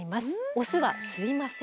オスは吸いません。